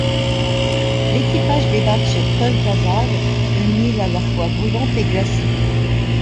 L'équipage débarque sur Punk Hazard, une île à la fois brulante et glacée.